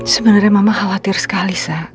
sebenarnya mama khawatir sekali sih